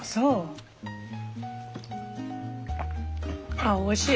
あっおいしい！